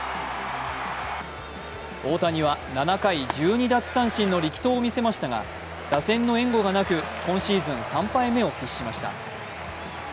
大谷は７回１２奪三振の力投を見せましたが、打線の援護がなく今シーズン３敗目を喫しました。